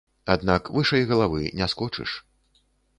Аднак вышэй галавы не скочыш.